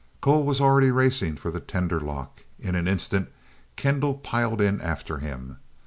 Cole was already racing for the tender lock. In an instant Kendall piled in after him.